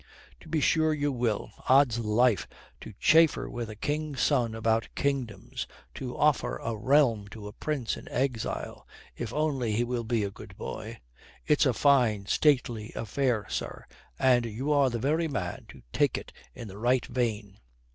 "To be sure you will. Odds life, to chaffer with a king's son about kingdoms, to offer a realm to a prince in exile (if only he will be a good boy) it's a fine, stately affair, sir, and you are the very man to take it in the right vein."